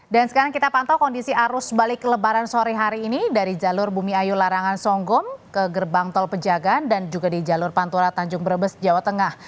dan sekarang kita pantau kondisi arus balik kelebaran sore hari ini dari jalur bumi ayu larangan songgom ke gerbang tol pejagaan dan juga di jalur pantura tanjung brebes jawa tengah